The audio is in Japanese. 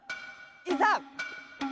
いざ！